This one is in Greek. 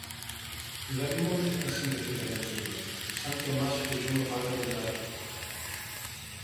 Δεν μπορείτε να συνδεθείτε μ' εκείνον, σαν και μας που ζούμε πάντα κοντά του.